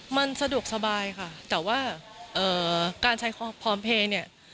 มันสะดวกสบายค่ะแต่ว่าการใช้ความพร้อมเพลย์เนี่ย